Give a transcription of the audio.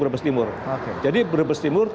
brebes timur oke jadi brebes timur